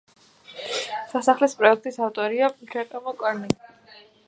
სასახლის პროექტის ავტორია ჯაკომო კვარნეგი.